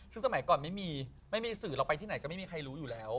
คือสมัยก่อนไม่มีไม่มีสื่อเราไปที่ไหนก็ไม่มีใครรู้อยู่แล้ว